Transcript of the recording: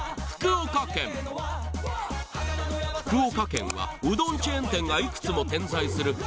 福岡県福岡県はうどんチェーン店がいくつも点在する